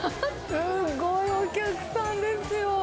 すごいお客さんですよ。